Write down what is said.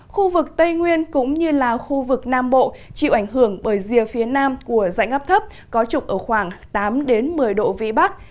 khu vực tây nguyên cũng như là khu vực nam bộ chịu ảnh hưởng bởi rìa phía nam của dạnh áp thấp có trục ở khoảng tám một mươi độ vĩ bắc